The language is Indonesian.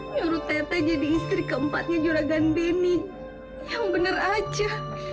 nyuruh tete jadi istri keempatnya juragan beni yang bener aja